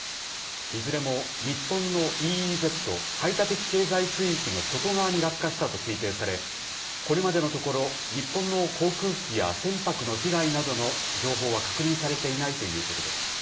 いずれも日本のＥＥＺ・排他的経済水域の外側に落下したと推定され、これまでのところ、日本の航空機や船舶の被害などの情報は確認されていないということです。